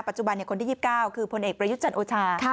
ปัจจุบันคนที่๒๙คือผลเอกประยุจันทร์โอชา